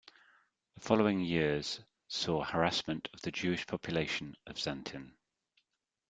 The following years saw harassment of the Jewish population of Xanten.